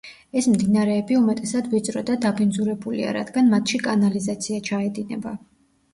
ეს მდინარეები უმეტესად ვიწრო და დაბინძურებულია, რადგან მათში კანალიზაცია ჩაედინება.